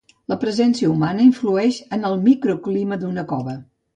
La presència humana influeix en el microclima d'una cova.